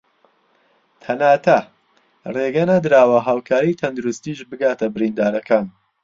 تەناتە رێگە نەدراوە هاوکاری تەندروستیش بگاتە بریندارەکان